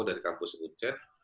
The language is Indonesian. dari kampus unceh